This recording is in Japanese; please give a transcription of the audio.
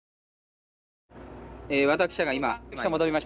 和田記者が今戻りました。